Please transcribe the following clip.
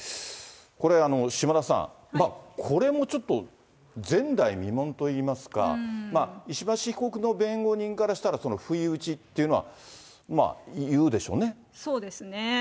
これ、島田さん、これもちょっと前代未聞といいますか、石橋被告の弁護人からしたら、不意打ちっていうのは、そうですね。